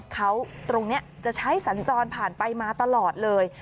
เขาตรงนี้จะใช้สัญจรผ่านไปมาตลอดเลย